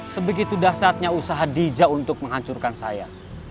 sebegitu dasarnya usaha dija untuk menghancurkan saya